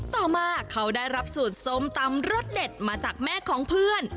ต่อมาเขาได้รับสูตรส้มตำรสเด็ดมาจากแม่ของเพื่อน